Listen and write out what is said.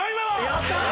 やったー！